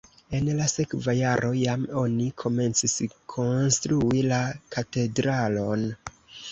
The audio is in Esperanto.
En la sekva jaro jam oni komencis konstrui la katedralon.